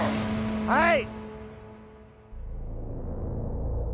はい